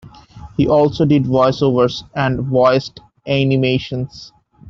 He also did voice-overs, and voiced animations.